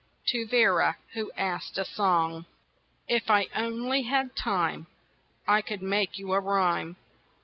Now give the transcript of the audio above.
TO VERA, WHO ASKED A SONG. IF I only had time! I could make you a rhyme.